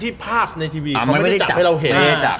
ที่พากในทีวีเค้าไม่ได้จับให้เราเห็น